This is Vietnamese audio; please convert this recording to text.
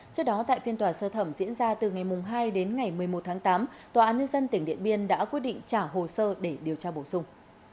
trước đó tại phiên tòa sơ thẩm diễn ra từ ngày hai đến ngày một mươi một tháng tám tòa án nhân dân tỉnh điện biên đã quyết định trả hồ sơ để điều tra bổ sung